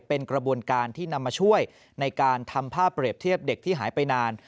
เป็นกระบวนการที่นำมาช่วยในการทำภาพเปรียบเทียบเด็กที่หายไปนาน